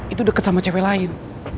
itu dekat sama cewek lain